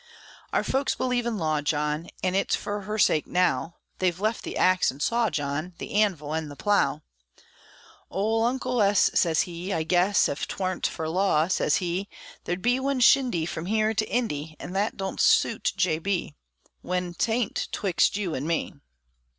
Our folks believe in Law, John; An' it's fer her sake, now, They've left the axe an' saw, John, The anvil an' the plough. Ole Uncle S. sez he, "I guess, Ef 'twarn't fer law," sez he, "There'd be one shindy from here to Indy; An' thet don't suit J. B. (When 't ain't 'twixt you an' me!)"